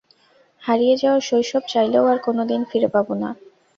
হারিয়ে যাওয়া শৈশব, চাইলেও আর কোনদিন ফিরে পাবো না।